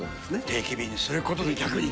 定期便にする事で逆に。